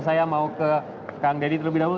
saya mau ke kang deddy terlebih dahulu